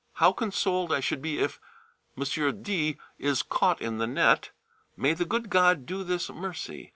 How consoled I should be if M. D. is caught in the net. May the good God do this mercy.